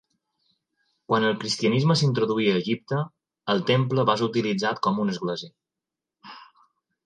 Quan el cristianisme s'introduí a Egipte, el temple va ser utilitzat com una església.